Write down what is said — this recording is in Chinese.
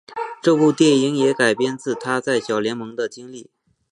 这部电影也改编自他在小联盟的经历。